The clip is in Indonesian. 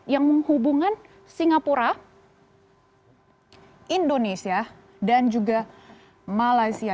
yang menghubungkan singapura indonesia dan juga malaysia